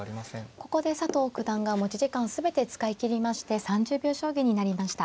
ここで佐藤九段が持ち時間を全て使い切りまして３０秒将棋になりました。